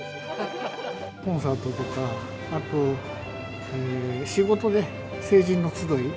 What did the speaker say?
コンサートとか、あと仕事で成人の集い。